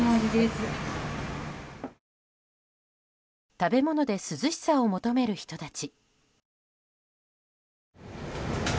食べ物で涼しさを求める人たち。